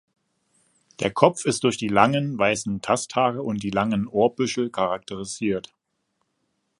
Der Kopf ist durch die langen, weißen Tasthaare und die langen Ohrbüschel charakterisiert.